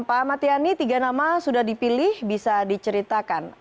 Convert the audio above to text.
pak ahmad yani tiga nama sudah dipilih bisa diceritakan